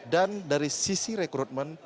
dan dari sisi rekrutmen